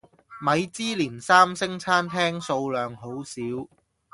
米芝蓮三星餐廳數量好少